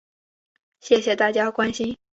谢谢大家关心